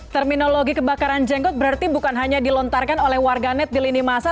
terminologi kebakaran jenggot berarti bukan hanya dilontarkan oleh warganet di lini masa